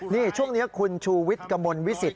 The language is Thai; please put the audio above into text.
นี่ช่วงนี้คุณชูวิทย์กระมวลวิสิต